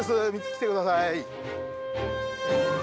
来てください。